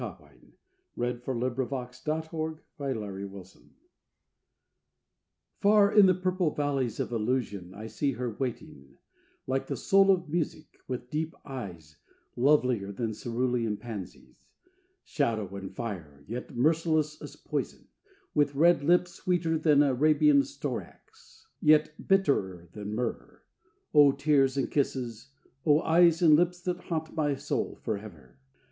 Augustine, Fla., February, 1899._ THE PURPLE VALLEYS Far in the purple valleys of illusion I see her waiting, like the soul of music, With deep eyes, lovelier than cerulean pansies, Shadow and fire, yet merciless as poison; With red lips sweeter than Arabian storax, Yet bitterer than myrrh. O tears and kisses! O eyes and lips, that haunt my soul forever!